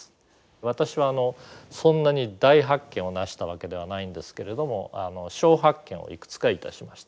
私はそんなに大発見をなしたわけではないんですけれども小発見をいくつかいたしました。